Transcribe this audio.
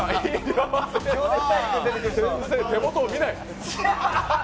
先生、手元を見ない。